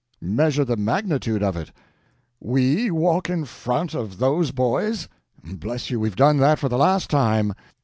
measure the magnitude of it! We walk in front of those boys? Bless you, we've done that for the last time.